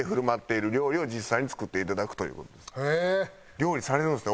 料理されるんですね